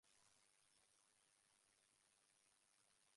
It was just nuts!